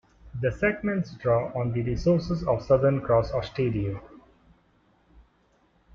The segments draw on the resources of Southern Cross Austereo.